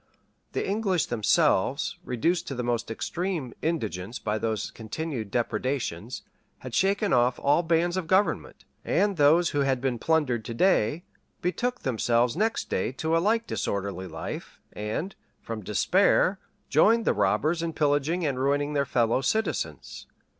The English themselves, reduced to the most extreme indigence by those continued depredations, had shaken off all bands of government; and those who had been plundered to day, betook themselves next day to a like disorderly life, and, from despair, joined the robbers in pillaging and ruining their fellow citizens.